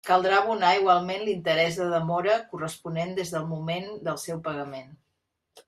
Caldrà abonar, igualment, l'interès de demora corresponent des del moment del seu pagament.